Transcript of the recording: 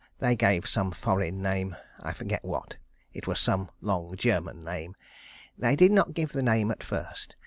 They gave some foreign name; I forget what. It was some long German name. They did not give the name at first.